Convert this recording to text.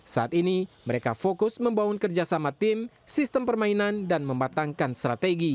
saat ini mereka fokus membangun kerjasama tim sistem permainan dan membatangkan strategi